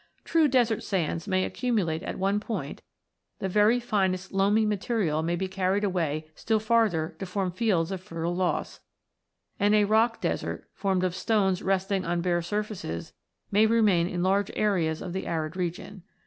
True desert sands may accumulate at one point, the very finest loamy material may be carried away still farther to form fields of fertile loss, and a rock desert, formed of stones resting on bare surfaces, may remain in large areas of the arid region.